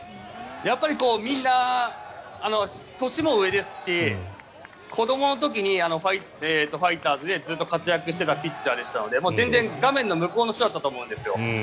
やっぱりみんな、年も上ですし子どもの時にファイターズでずっと活躍していたピッチャーでしたので全然、画面の向こうの人だったと思うんですよ。